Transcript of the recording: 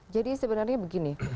jadi sebenarnya begini